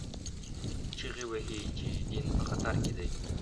چیغې وهي چې دین په خطر کې دی